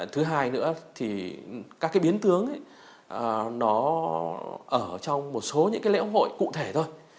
thứ hai nữa thì các biến tướng nó ở trong một số những lễ hội cụ thể thôi